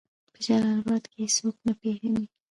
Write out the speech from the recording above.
په جلال آباد کې يې څوک نه پېژني